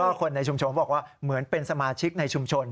คนในชุมชนบอกว่าเหมือนเป็นสมาชิกในชุมชน